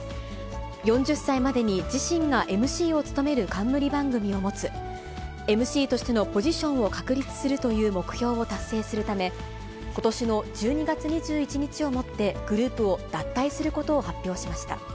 ４０歳までに自身がＭＣを務める冠番組を持つ、ＭＣとしてのポジションを確立するという目標を達成するため、ことしの１２月２１日をもって、グループを脱退することを発表しました。